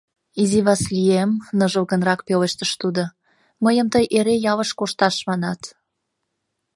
— Изи Васлием, — ныжылгынрак пелештыш тудо, — мыйым тый эре ялыш коштат манат.